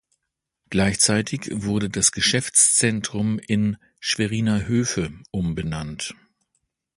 Gleichzeitig wurde das Geschäftszentrum in "Schweriner Höfe" umbenannt.